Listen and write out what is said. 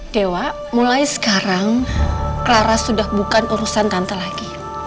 dewa mulai sekarang clara sudah bukan urusan tante lagi